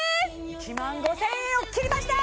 １５０００円をきりました